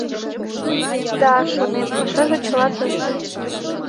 Да, шонем, пашаже чыла тыште.